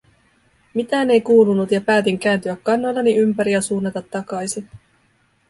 Mitään ei kuulunut ja päätin kääntyä kannoillani ympäri ja suunnata takaisin.